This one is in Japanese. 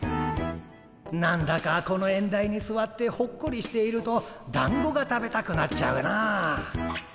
何だかこの縁台にすわってほっこりしているとだんごが食べたくなっちゃうな。